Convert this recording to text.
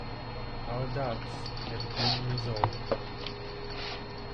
Our doubts had been resolved.